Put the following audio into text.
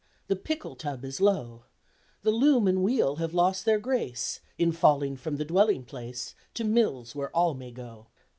The pickle tub is low! The loom and wheel have lost their grace In falling from the dwelling place To mills where all may go!